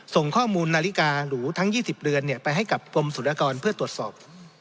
ส่งข้อมูลนาฬิกาหรูทั้ง๒๐เดือนไปให้กับกรมศุลกรเพื่อตรวจสอบ